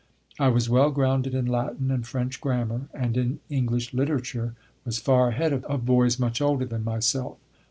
I was well grounded in Latin and French grammar, and in English literature was far ahead of boys much older than myself.